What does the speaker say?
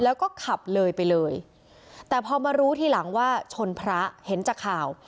แล้วก็ขับเลยไปเลยแต่พอมารู้ทีหลังว่าชนพระเห็นจากข่าว